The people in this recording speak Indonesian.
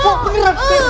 kok pengerak ben